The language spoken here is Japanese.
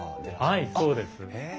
はいそうです。へえ。